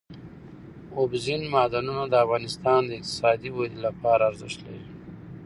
اوبزین معدنونه د افغانستان د اقتصادي ودې لپاره ارزښت لري.